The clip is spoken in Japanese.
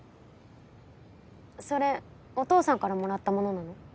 それお父さんからもらったものなの？